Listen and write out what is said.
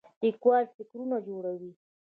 لیکوال فکرونه جوړوي